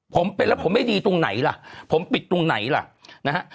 ผมเป็นแล้วผมไม่ดีตรงไหนล่ะผมปิดตรงไหนล่ะนะฮะ